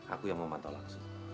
aku yang memantau langsung